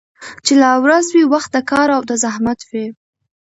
چي لا ورځ وي وخت د كار او د زحمت وي